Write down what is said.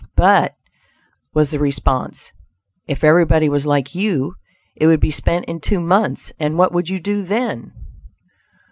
"But," was the response, "if everybody was like you, it would be spent in two months, and what would you do then?"